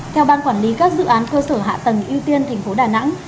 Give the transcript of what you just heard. theo bang quản lý các dự án cơ sở hạ tầng ưu tiên tp đà nẵng